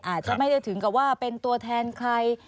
อาจจะไม่ได้ถึงกับว่าเป็นตัวแทนใคร